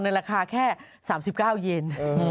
ราคาแค่๓๙เย็น